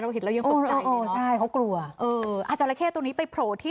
เราเห็นแล้วยังตกใจอ๋อใช่เขากลัวเอออาจารย์เข้ตัวนี้ไปโผล่ที่